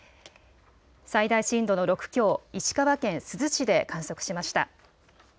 最大震度の６強、石川県珠洲市で観測しました。